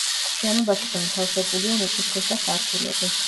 შენობაში განთავსებულია მიწისქვეშა სართულები.